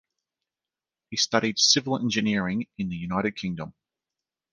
He studied civil engineering in the United Kingdom.